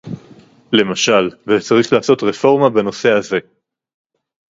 למשל, וצריך לעשות רפורמה בנושא הזה